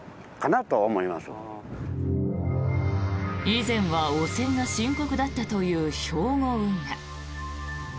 以前は汚染が深刻だったという兵庫運河。